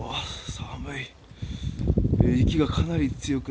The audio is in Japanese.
寒い。